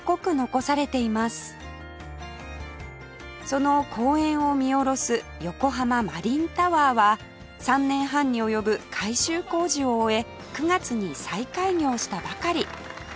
その公園を見下ろす横浜マリンタワーは３年半に及ぶ改修工事を終え９月に再開業したばかり